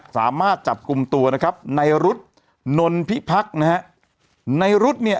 สามารถจับกลุ่มตัวนะครับในรุษนนพิพักษ์นะฮะในรุ๊ดเนี่ย